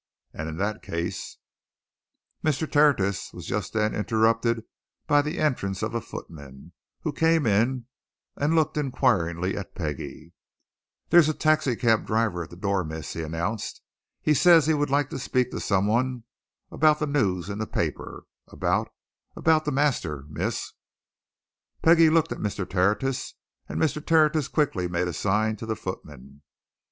And in that case " Mr. Tertius was just then interrupted by the entrance of a footman who came in and looked inquiringly at Peggie. "There's a taxi cab driver at the door, miss," he announced. "He says he would like to speak to some one about the news in the paper about about the master, miss." Peggie looked at Mr. Tertius. And Mr. Tertius quickly made a sign to the footman.